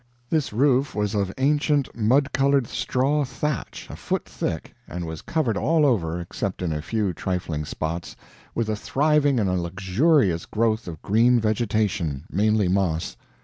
This roof was of ancient mud colored straw thatch a foot thick, and was covered all over, except in a few trifling spots, with a thriving and luxurious growth of green vegetation, mainly moss.